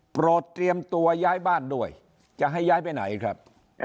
โปรดเตรียมตัวย้ายบ้านด้วยจะให้ย้ายไปไหนครับ